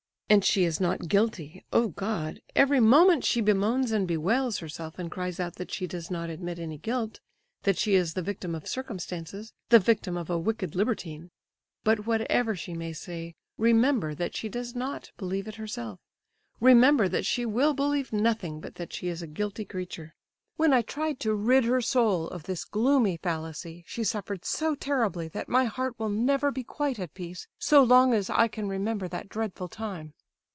"And she is not guilty—oh God!—Every moment she bemoans and bewails herself, and cries out that she does not admit any guilt, that she is the victim of circumstances—the victim of a wicked libertine. "But whatever she may say, remember that she does not believe it herself,—remember that she will believe nothing but that she is a guilty creature. "When I tried to rid her soul of this gloomy fallacy, she suffered so terribly that my heart will never be quite at peace so long as I can remember that dreadful time!